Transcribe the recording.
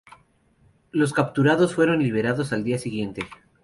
Los capturados fueron liberados al día siguiente.